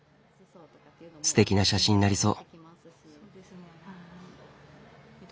すてきな写真になりそう。